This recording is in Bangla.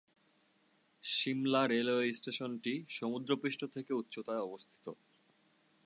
সিমলা রেলওয়ে স্টেশনটি সমুদ্রপৃষ্ঠ থেকে উচ্চতায় অবস্থিত।